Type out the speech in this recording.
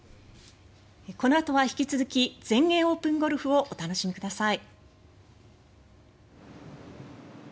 このあとは引き続き全英オープンをお楽しみください。